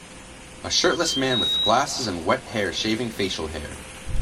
A shirtless man with glasses and wet hair shaving facial hair.